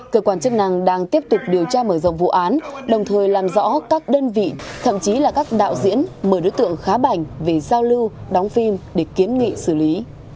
cơ quan chức năng đang tiếp tục điều tra mở rộng vụ án đồng thời làm rõ các đơn vị thậm chí là các đạo diễn mở đối tượng khá bảnh về giao lưu đóng phim để kiến nghị xử lý